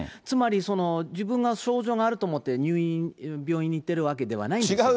つまり、その自分が症状があると思って、入院、病院に行ってるわけではないんですよ。